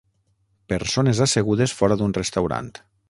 Persones assegudes fora d'un restaurant